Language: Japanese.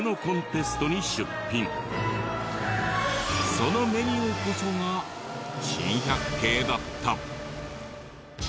そのメニューこそが珍百景だった。